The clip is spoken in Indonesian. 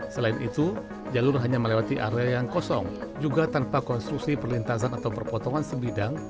selain itu jalur hanya melewati area yang kosong juga tanpa konstruksi perlintasan atau perpotongan sebidang